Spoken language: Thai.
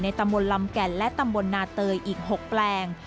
ตำบลลำแก่นและตำบลนาเตยอีก๖แปลง